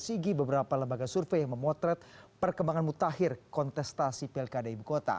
hasil sigi beberapa lembaga survei yang memotret perkembangan mutakhir kontestasi pilkara dki jakarta